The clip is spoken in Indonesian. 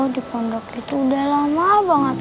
di pondok itu udah lama banget